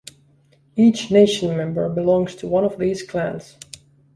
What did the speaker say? Each Nation member belongs to one of these clans.